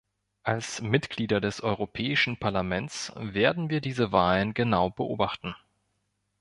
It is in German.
Als Mitglieder des Europäischen Parlaments werden wir diese Wahlen genau beobachten.